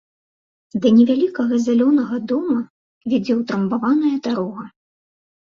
Да невялікага зялёнага дома вядзе ўтрамбаваная дарога.